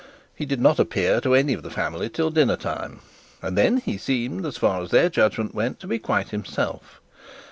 He did not appear to any of the family till dinner time, and then he assumed, as far as their judgment went, to be quite himself.